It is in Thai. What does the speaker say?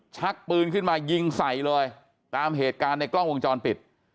ชักปืนขึ้นมายิงใส่เลยตามเหตุการณ์ในกล้องวงจรปิด